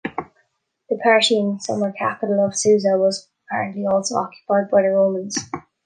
The Parthian summer capital of Susa was apparently also occupied by the Romans.